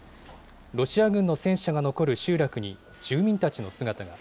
ロシア軍の戦車が残る集落に、住民たちの姿が。